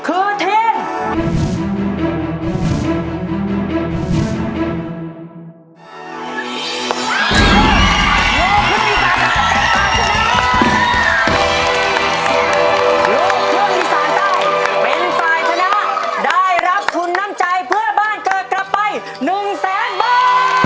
โลกภูมิสารใต้เป็นปลายชนะได้รับทุนน้ำใจเพื่อบ้านเกิดกลับไปหนึ่งแสนบาท